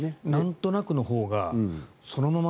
なんとなくのほうがそのまま